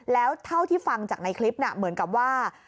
แล้วเท่าที่ฟังจากในคลิปเหมือนกับว่า